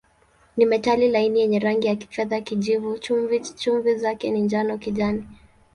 Ni metali laini yenye rangi ya kifedha-kijivu, chumvi zake ni njano-kijani.